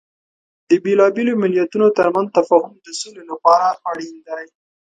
د بیلابیلو مليتونو ترمنځ تفاهم د سولې لپاره اړین دی.